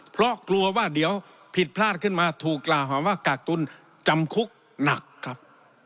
เพราะกลัวว่าเดี๋ยวผิดพลาดขึ้นมาถูกกล่าวหาว่ากากตุลจำคุกหนักครับ